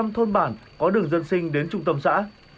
một trăm linh thôn bản có đường dân sinh đến trung tâm xã